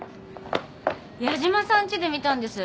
矢島さんちで見たんです。